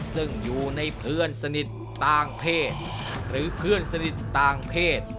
ซึ่งอยู่ในเพื่อนสนิทต่างเพศหรือเพื่อนสนิทต่างเพศ